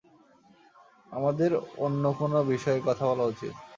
আমাদের অন্য কোনো বিষয়ে কথা বলা উচিৎ।